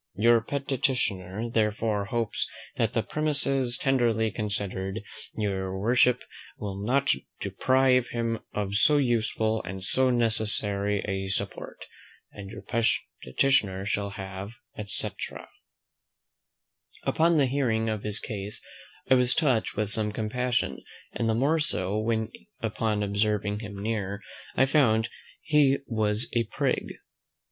"Your petitioner, therefore, hopes, that the premises tenderly considered, your Worship will not deprive him of so useful and so necessary a support. "And your petitioner shall ever, etc." Upon the hearing of his case, I was touched with some compassion, and the more so, when, upon observing him nearer, I found he was a prig.